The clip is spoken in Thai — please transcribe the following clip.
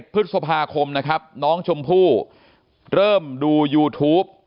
พฤษภาคมนะครับน้องชมพู่เริ่มดูยูทูป